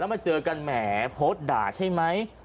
มาเจอกันแหมโพสต์ด่าใช่ไหม